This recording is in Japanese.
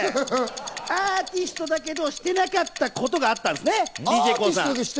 アーティストだけど、してなかったことがあるんです。